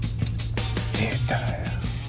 出たよ。